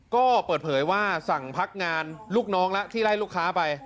ก็เปิดเผยว่าสั่งพักงานลูกน้องแล้วที่ไล่ลูกค้าไป